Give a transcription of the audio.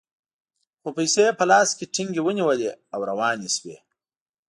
خو پیسې یې په لاس کې ټینګې ونیولې او روانې شوې.